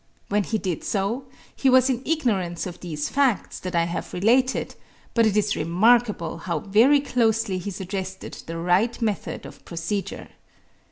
When he did so, he was in ignorance of these facts that I have related; but it is remarkable how very closely he suggested the right method of procedure.")